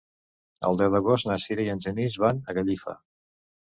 El deu d'agost na Sira i en Genís van a Gallifa.